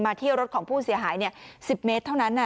ที่รถของผู้เสียหาย๑๐เมตรเท่านั้น